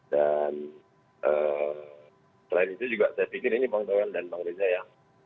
dan selain itu juga saya pikir ini bang toel dan bang reza ya